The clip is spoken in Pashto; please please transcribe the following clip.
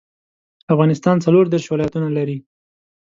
افغانستان څلوردیرش ولایاتونه لري